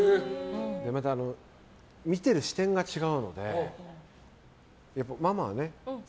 嫁と見てる視点が違うのでママはね